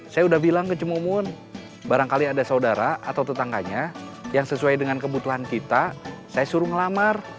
saya udah bilang ke cemumun barangkali ada saudara atau tetangganya yang sesuai dengan kebutuhan kita saya suruh ngelamar